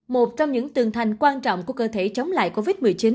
một trong những tường thành quan trọng của cơ thể chống lại covid một mươi chín